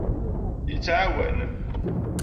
Yettɛawan.